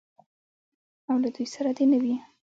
او له دوی سره دې نه وي.